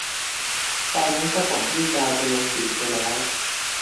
ตอนนี้เค้าถมที่กลายเป็นโรงสีไปแล้ว